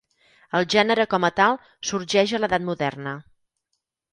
El gènere com a tal sorgeix a l'Edat Moderna.